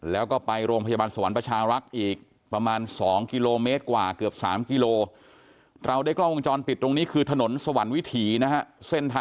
แล้วก็ไปโรงพยาบาลสวรรค์ประชารรักษ์อีก